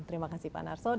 terima kasih pak narsot